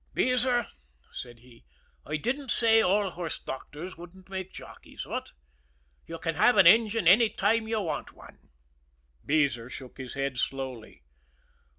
"Beezer," said he, "I didn't say all horse doctors wouldn't make jockeys what? You can have an engine any time you want one." Beezer shook his head slowly.